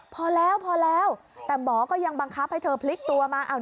พอแล้วพอแล้วแต่หมอก็ยังบังคับให้เธอพลิกตัวมา